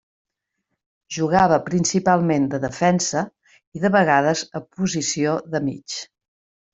Jugava principalment de defensa, i de vegades a posició de mig.